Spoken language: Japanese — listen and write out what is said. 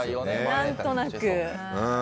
何となく。